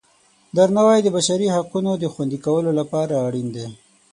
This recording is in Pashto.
درناوی د بشري حقونو د خوندي کولو لپاره اړین دی.